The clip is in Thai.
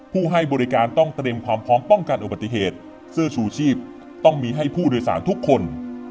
ให้บริการต้องเตรียมความพร้อมป้องกันอุบัติเหตุเสื้อชูชีพต้องมีให้ผู้โดยสารทุกคน